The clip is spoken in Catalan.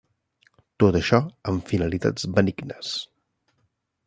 Tot això amb finalitats benignes.